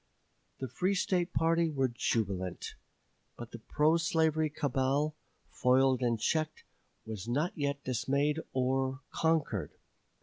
The free State party were jubilant; but the pro slavery cabal, foiled and checked, was not yet dismayed or conquered.